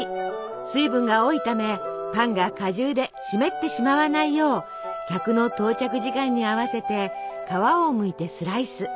水分が多いためパンが果汁で湿ってしまわないよう客の到着時間に合わせて皮をむいてスライス。